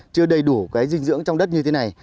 chưa đầy đủ cái dinh dưỡng trong đất như thế này